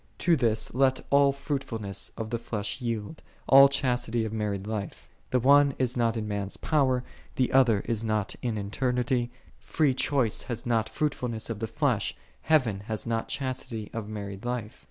To this let all fruitfulness of the flesh yield, all chastity of married life; the one is not in (man's) power, the other is not in eternity; free choice hath not fruitfulness of the flesh, heaven hath not chastity of married life.